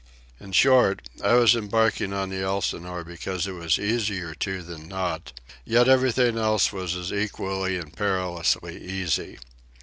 In short, I was embarking on the Elsinore because it was easier to than not; yet everything else was as equally and perilously easy.